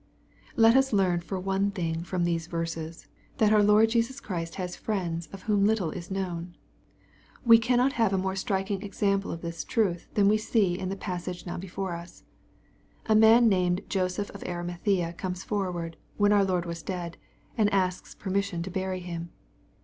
Let us learn, for one thing, from these verses, that our Lord Jesus Christ has friends of whom little is known. We cannot have a more striking example of this truth, than we see in the passage now before us. A man named Joseph of ArimathaBa comes forward, when our Lord was dead, and asks permission to bury Him.